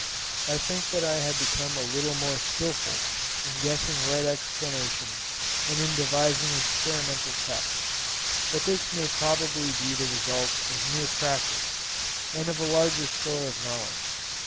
I think that I have become a little more skilful in guessing right explanations and in devising experimental tests; but this may probably be the result of mere practice, and of a larger store of knowledge.